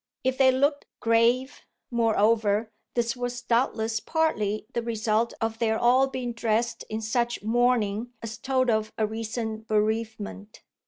If they looked grave, moreover, this was doubtless partly the result of their all being dressed in such mourning as told of a recent bereavement.